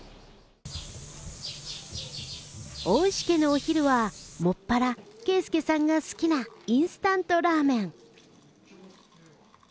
大石家のお昼はもっぱら啓介さんが好きなインスタントラーメン。